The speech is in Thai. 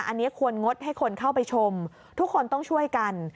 อันนี้ควรงดให้คนเข้าไปชมทุกคนต้องช่วยกัน